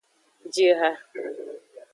Ji eha.